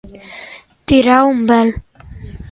Tirar un vel.